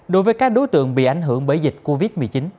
đối với các đối tượng bị ảnh hưởng bởi dịch covid một mươi chín